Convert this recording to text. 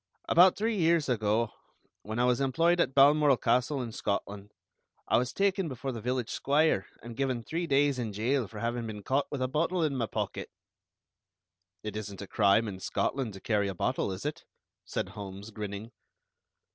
About three years ago, when I was employed at Balmoral Castle, in Scotland, I was taken before the village squire and given three days in jail for having been caught with a bottle in my pocket." "It isn't a crime in Scotland to carry a bottle, is it?" said Holmes, grinning.